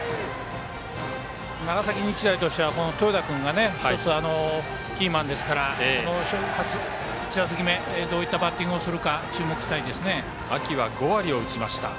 長崎日大としては豊田君がキーマンですから１打席目、どういったバッティングをするか秋は５割を打ちました。